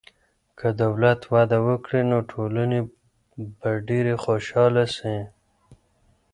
که دولت وده وکړي، نو ټولني به ډېره خوشحاله سي.